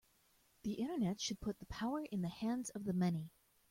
The Internet should put the power in the hands of the many.